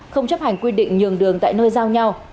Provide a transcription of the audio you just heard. không chấp hành quy định nhường đường tại nơi giao nhau